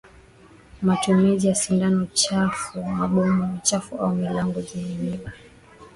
Matumizi ya sindano chafu maboma machafu au milango zenye miiba